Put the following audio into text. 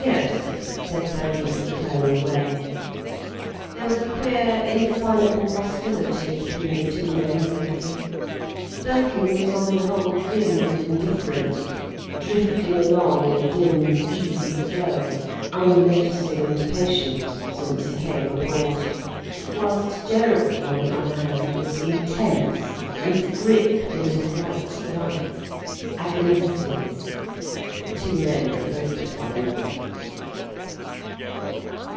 "Yes," said Birkin, turning away. There was a queer, indefinable hostility between the two men, lately. Birkin was on the whole dim and indifferent, drifting along in a dim, easy flow, unnoticing and patient, since he came abroad, whilst Gerald on the other hand, was intense and gripped into white light, agonistes. The two men revoked one another.